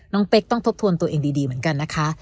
เป๊กต้องทบทวนตัวเองดีเหมือนกันนะคะ